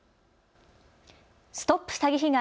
ＳＴＯＰ詐欺被害！